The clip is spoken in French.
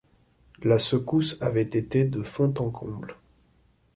La secousse avait été de fond en comble.